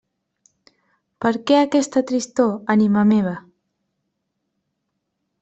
Per què aquesta tristor, ànima meva?